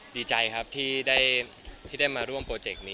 ดีใจครับที่ได้มาร่วมโปรเจกต์นี้